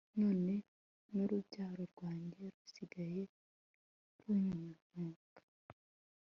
none n'urubyaro rwanjye rusigaye runyinuka